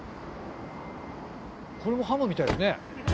これもハムみたいですね。